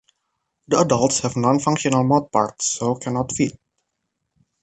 The adults have non-functional mouthparts so cannot feed.